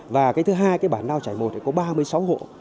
và thứ hai bản đao trải một có ba mươi sáu hộ